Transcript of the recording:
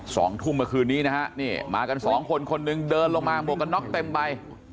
เรือผุมคืนมากัน๒คนคนนึงเดินลงบอกก๊อะน๊อกเต็มไป